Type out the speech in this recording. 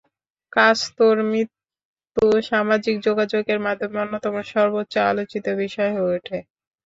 কাস্ত্রোর মৃত্যু সামাজিক যোগাযোগের মাধ্যমে অন্যতম সর্বোচ্চ আলোচিত বিষয় হয়ে ওঠে।